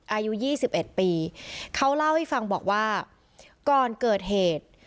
อายุยี่สิบเอ็ดปีเขาเล่าให้ฟังบอกว่าก่อนเกิดเหตุ